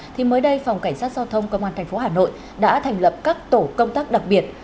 thì mới đây phòng cảnh sát giao thông công an tp hà nội đã thành lập các tổ công tác đặc biệt